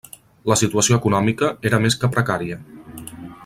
La situació econòmica era més que precària.